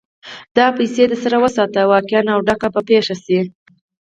دا پيسې در سره وساته؛ واقعه او ډکه به پېښه شي.